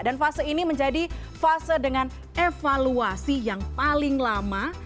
dan fase ini menjadi fase dengan evaluasi yang paling lama